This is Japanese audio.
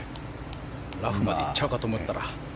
ラフまで行っちゃうかと思ったら。